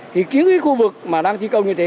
thì những cái khu vực mà đang thi công như thế